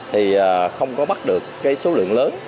thì không có bắt được số lượng lớn